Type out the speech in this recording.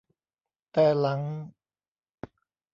แต่หลัง